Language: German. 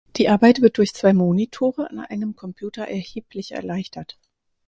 Die Arbeit wird durch zwei Monitore an einem Computer erheblich erleichtert.